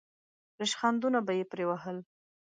ریشخندونه به یې پرې وهل.